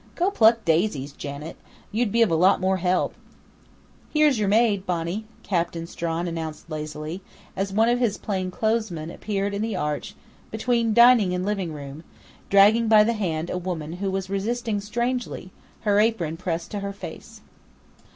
"Go pluck daisies, Janet! You'd be of a lot more help!" "Here's your maid, Bonnie," Captain Strawn announced lazily, as one of his plainclothesmen appeared in the arch between dining and living room, dragging by the hand a woman who was resisting strangely, her apron pressed to her face.